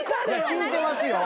聞いてますよ。